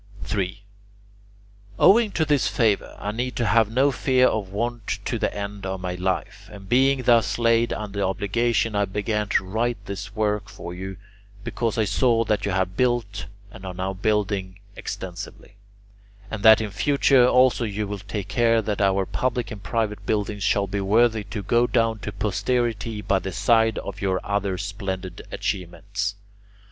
3. Owing to this favour I need have no fear of want to the end of my life, and being thus laid under obligation I began to write this work for you, because I saw that you have built and are now building extensively, and that in future also you will take care that our public and private buildings shall be worthy to go down to posterity by the side of your other splendid achievements.